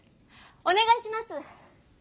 お願いします！